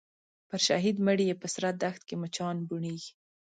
پر شهید مړي یې په سره دښت کي مچان بوڼیږي